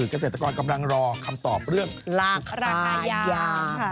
เกษตรกรกำลังรอคำตอบเรื่องราคายา